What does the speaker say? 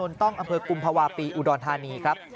ต้องอำเภอกุมภาวะปีอุดรธานีครับ